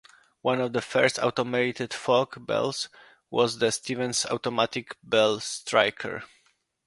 One of the first automated fog bells was the Stevens Automatic Bell Striker.